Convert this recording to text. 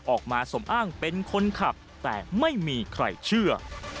ออกมาสมอ้างเป็นคนขับแต่ไม่มีใครเชื่อ